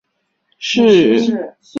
伊德圣罗克人口变化图示